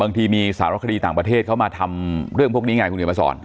บางทีมีสารคดีต่างประเทศเขามาทำเรื่องพวกนี้ไงคุณเดี๋ยวมาสอน